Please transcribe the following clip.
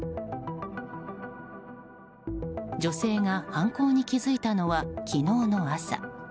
女性が犯行に気付いたのは昨日の朝。